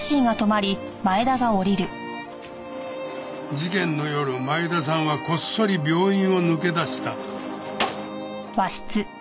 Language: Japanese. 事件の夜前田さんはこっそり病院を抜け出した。